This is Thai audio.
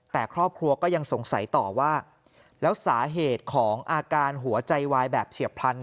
แต่ครอบครัวก็ยังสงสัยต่อว่าแล้วสาเหตุของอาการหัวใจวายแบบเฉียบพลัน